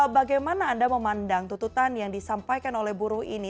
bagaimana anda memandang tututan yang disampaikan oleh buruh ini